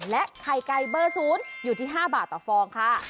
และไข่ไก่เบอร์๐อยู่ที่๕บาทต่อฟองค่ะ